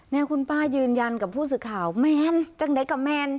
นี่คุณป้ายืนยันกับผู้สื่อข่าวแมนจังไหนกับแมน